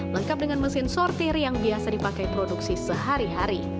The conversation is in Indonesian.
lengkap dengan mesin sortir yang biasa dipakai produksi sehari hari